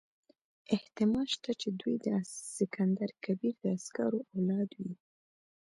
احتمال شته چې دوی د سکندر کبیر د عسکرو اولاد وي.